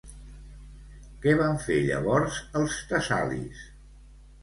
Què van fer llavors els tessalis?